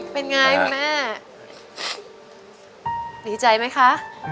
เป็นไงคุณแม่ดีใจไหมคะ